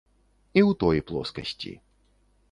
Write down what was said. І ў той плоскасці.